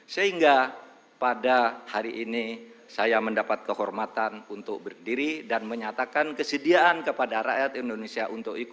sehingga pada hari ini saya mendapat kehormatan untuk berdiri dan menyatakan kesediaan kepada rakyat indonesia untuk ikut